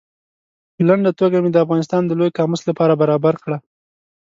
په لنډه توګه مې د افغانستان د لوی قاموس له پاره برابره کړه.